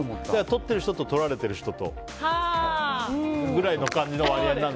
とってる人と、とられてる人と。くらいな感じの割合かな。